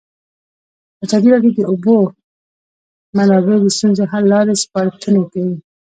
ازادي راډیو د د اوبو منابع د ستونزو حل لارې سپارښتنې کړي.